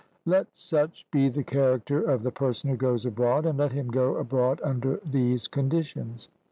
Let such be the character of the person who goes abroad, and let him go abroad under these conditions.